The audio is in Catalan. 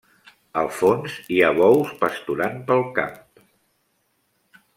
Al fons, hi ha bous pasturant pel camp.